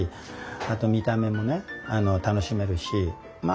あと見た目もね楽しめるしま